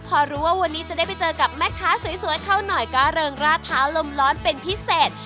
พอรู้ว่าวันนี้จะได้ไปเจอกับแม่ค้าสวยเข้าหน่อยก็เริงราดเท้าลมร้อนเป็นพิเศษ